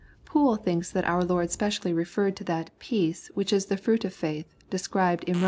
Pool thinks tihat our Lord specially referred tO' that " peace" which is the fruit of feith, described in Rom.